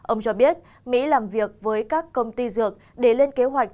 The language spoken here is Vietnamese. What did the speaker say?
ông cho biết mỹ làm việc với các công ty dược để lên kế hoạch